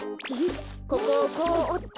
ここをこうおって。